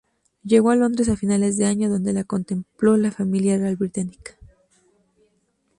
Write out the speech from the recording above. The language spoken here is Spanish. Llegó a Londres a finales de año, donde la contempló la familia real británica.